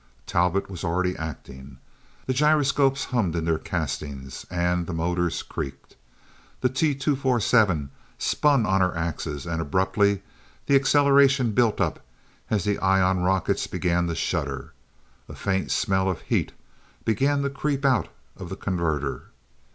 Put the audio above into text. Talbot was already acting. The gyroscopes hummed in their castings, and the motors creaked. The T 247 spun on her axis, and abruptly the acceleration built up as the ion rockets began to shudder. A faint smell of "heat" began to creep out of the converter.